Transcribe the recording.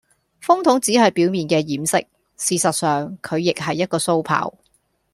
風筒只係表面嘅掩飾，事實上，佢亦係一個鬚刨